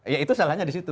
ya itu salahnya di situ